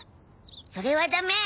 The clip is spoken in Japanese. それはダメ！